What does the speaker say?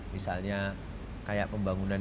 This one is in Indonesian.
misalnya kayak pembangunan